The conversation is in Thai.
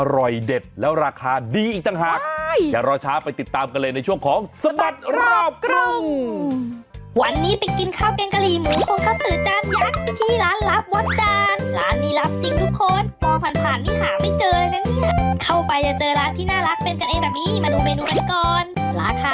อร่อยเด็ดและราคาดีอีกต่างหากอย่ารอช้าไปติดตามกันเลยในช่วงของสมัครรอบกรุง